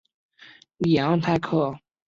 里昂泰克。